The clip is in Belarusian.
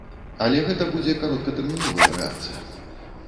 Але гэта будзе кароткатэрміновая рэакцыя.